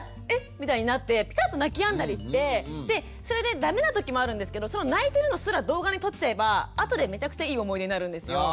みたいになってピタっと泣きやんだりしてでそれでダメな時もあるんですけどその泣いてるのすら動画に撮っちゃえばあとでめちゃくちゃいい思い出になるんですよ。